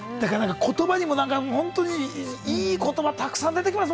言葉にもいい言葉、たくさん出てきます